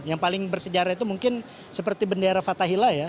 yang paling bersejarah itu mungkin seperti bendera fathahila ya